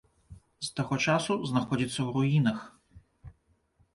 З таго часу знаходзіцца ў руінах.